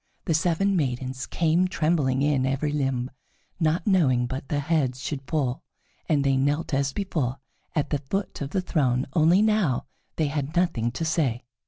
The seven maidens came trembling in every limb, not knowing but their heads should fall, and they knelt as before at the foot of the throne, only now they had nothing to say.